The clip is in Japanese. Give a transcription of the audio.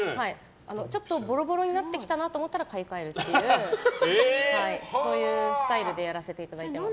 ちょっとボロボロになってきたなって思ったら買い替えるっていうそういうスタイルでやらせてもらってます。